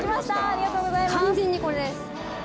ありがとうございます。